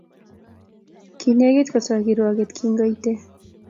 Kinegit kotoi kirwoket kingoitei